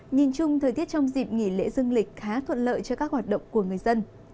nhìn chung thời tiết trong dịp nghỉ lễ dương lịch khá thuận lợi cho các hoạt động của người dân